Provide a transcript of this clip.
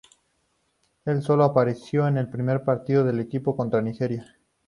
Él solo apareció en el primer partido del equipo contra Nigeria.